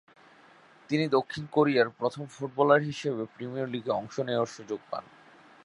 তিনি দক্ষিণ কোরিয়ার প্রথম ফুটবলার হিসেবে প্রিমিয়ার লীগে অংশ নেয়ার সুযোগ পান।